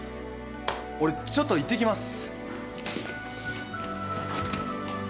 俺ちょっと行ってきます。